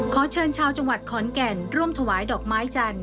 ขอเชิญชาวจังหวัดขอนแก่นร่วมถวายดอกไม้จันทร์